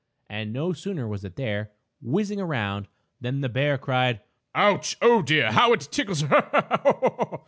And, no sooner was it there, whizzing around, than the bear cried: "Ouch! Oh, dear! How it tickles. Ha! Ha! Ha!